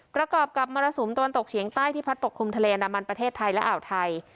ประกอบกับมรสุมตะวันตกเฉียงใต้ที่พัดปกคลุมทะเลอนามันประเทศไทยและอ่าวไทย